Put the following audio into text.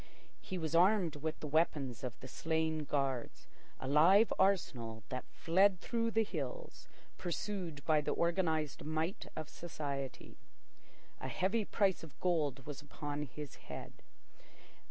He was armed with the weapons of the slain guards—a live arsenal that fled through the hills pursued by the organised might of society. A heavy price of gold was upon his head.